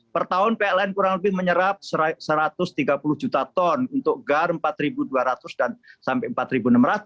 pertahun pln kurang lebih menyerap satu ratus tiga puluh juta ton untuk gar empat ribu dua ratus sampai empat ribu enam ratus